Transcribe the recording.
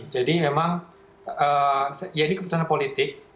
jadi memang ya ini keputusan politik